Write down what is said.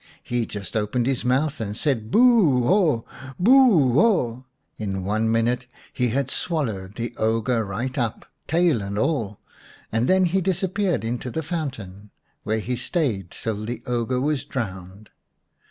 He just opened his mouth and said " Boo oh ! Boo oh !" In one minute he had swallowed the ogre right up, tail and all, and then he disappeared into the fountain. There he stayed till the ogre was drowned.